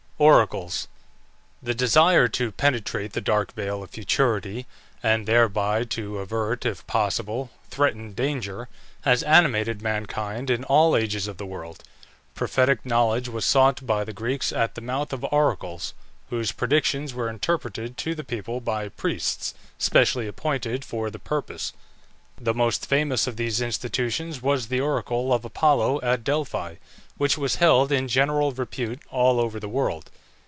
ORACLES. The desire to penetrate the dark veil of futurity, and thereby to avert, if possible, threatened danger, has animated mankind in all ages of the world. Prophetic knowledge was sought by the Greeks at the mouth of oracles, whose predictions were interpreted to the people by priests, specially appointed for the purpose. The most famous of these institutions was the oracle of Apollo at Delphi, which was held in general repute all over the world.